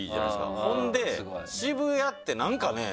ほんで渋谷ってなんかね